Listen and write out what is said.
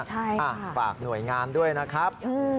ใช่ค่ะฝากหน่วยงานด้วยนะครับ